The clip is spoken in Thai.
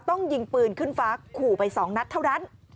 ยิงปืนขึ้นฟ้าขู่ไป๒นัดเท่านั้น